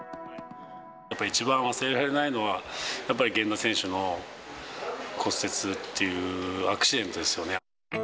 やっぱり一番忘れられないのは、やっぱり源田選手の骨折っていうアクシデントですよね。